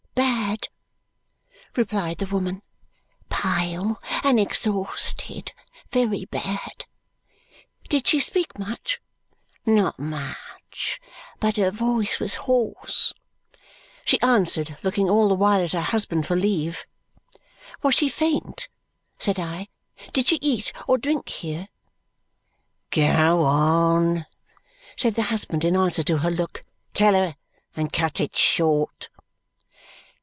"Bad," replied the woman. "Pale and exhausted. Very bad." "Did she speak much?" "Not much, but her voice was hoarse." She answered, looking all the while at her husband for leave. "Was she faint?" said I. "Did she eat or drink here?" "Go on!" said the husband in answer to her look. "Tell her and cut it short."